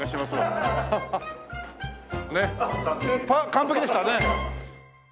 完璧でしたね。